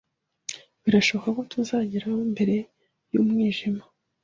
Birashoboka ko tuzagerayo mbere y'umwijima.